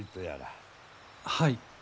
はい。